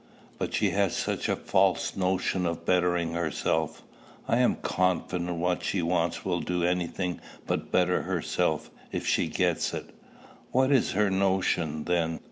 "But she has such a false notion of bettering herself. I am confident what she wants will do any thing but better her, if she gets it." "What is her notion, then?